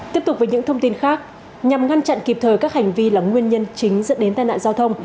tiếp tục với những thông tin khác nhằm ngăn chặn kịp thời các hành vi là nguyên nhân chính dẫn đến tai nạn giao thông